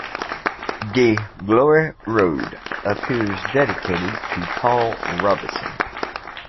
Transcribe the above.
"De Glory Road" appears dedicated to Paul Robeson.